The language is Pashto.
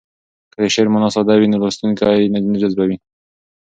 که د شعر مانا ساده وي نو لوستونکی نه جذبوي.